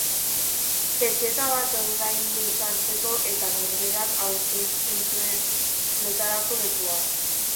Pezeta bat ordaindu sartzeko, eta norberak aukeratzen zuen lotarako lekua.